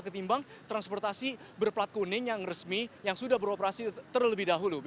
ketimbang transportasi berplat kuning yang resmi yang sudah beroperasi terlebih dahulu